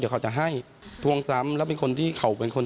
มีคนที่มหัวร้ายและชอบทำปืน